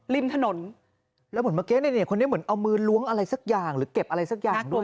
ริมถนนแล้วเหมือนเมื่อกี้เนี่ยคนนี้เหมือนเอามือล้วงอะไรสักอย่างหรือเก็บอะไรสักอย่างด้วย